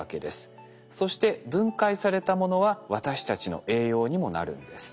そして分解されたものは私たちの栄養にもなるんです。